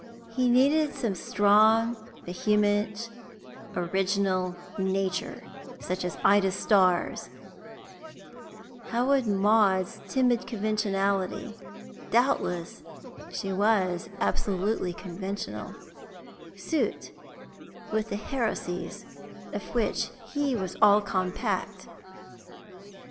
He needed some strong, vehement, original nature, such as Ida Starr's; how would Maud's timid conventionality doubtless she was absolutely conventional suit with the heresies of which he was all compact?